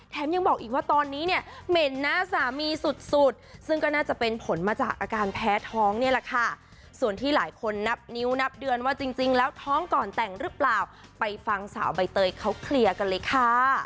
ยังบอกอีกว่าตอนนี้เนี่ยเหม็นหน้าสามีสุดสุดซึ่งก็น่าจะเป็นผลมาจากอาการแพ้ท้องนี่แหละค่ะส่วนที่หลายคนนับนิ้วนับเดือนว่าจริงแล้วท้องก่อนแต่งหรือเปล่าไปฟังสาวใบเตยเขาเคลียร์กันเลยค่ะ